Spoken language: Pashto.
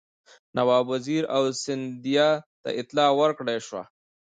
نواب وزیر او سیندهیا ته اطلاع ورکړه شوه.